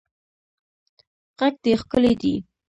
غږ دې ښکلی دی